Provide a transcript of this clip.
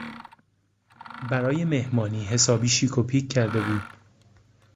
برای مهمانی حسابی شیک و پیک کرده بود.